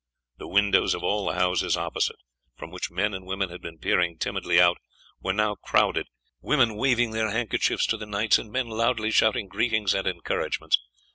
The windows of all the houses opposite, from which men and women had been peering timidly out, were now crowded; women waving their handkerchiefs to the knights, and men loudly shouting greetings and encouragements.